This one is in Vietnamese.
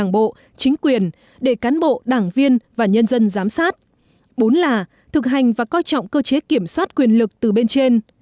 bốn là thực hành và coi trọng cơ chế kiểm soát quyền lực từ bên trên